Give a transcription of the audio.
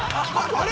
◆あれ？